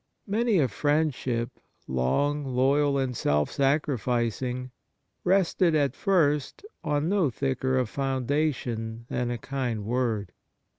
Many a friendship, long, loyal and self sacrificing, rested at first on no thicker a foundation than a kind word.